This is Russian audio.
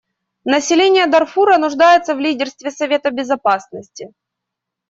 Население Дарфура нуждается в лидерстве Совета Безопасности.